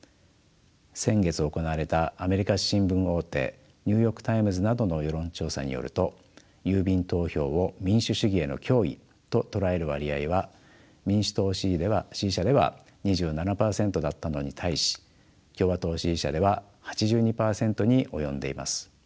先月行われたアメリカ新聞大手ニューヨーク・タイムズなどの世論調査によると郵便投票を民主主義への脅威と捉える割合は民主党支持者では２７％だったのに対し共和党支持者では８２％に及んでいます。